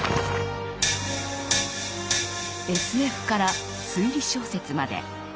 ＳＦから推理小説まで。